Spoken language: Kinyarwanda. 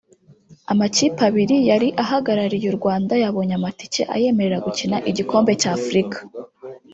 amakipe abiri yari ahagarariye u Rwanda yabonye amatike ayemerera gukina igikombe cya Afrika